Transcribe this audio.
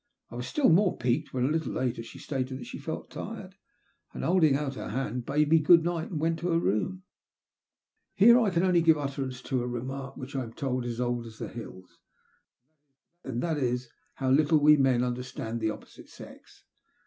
I was still more piqued when, a little later, she stated that she felt tired, and holding out her hand, bade me '* good night," and went to her room. Here I can only give utterance to a remark which, I am told, is as old as the hills— and that is, how little we men understand the opposite sex.